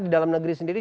di dalam negeri sendiri